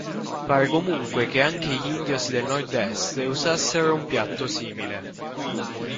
Pare comunque che anche gli indios del Nord-Est usassero un piatto simile.